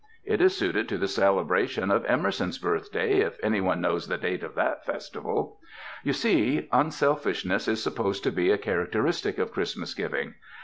It is suited to the celebration of Emerson's birthday, if any one knows the date of that festival. You see, unselfishness is supposed to be a char acteristic of Christmas giving.